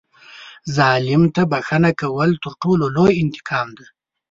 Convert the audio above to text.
ظالم ته بښنه کول تر ټولو لوی انتقام دی.